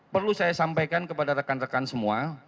perlu saya sampaikan kepada rekan rekan semua